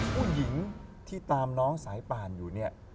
ผู้หญิงที่ตามน้องสายป่านอยู่เนี่ย